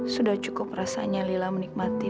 sudah cukup rasanya lila menikmati